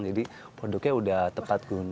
jadi produknya sudah tepat guna